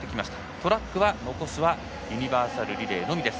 トラックは残すはユニバーサルリレーのみです。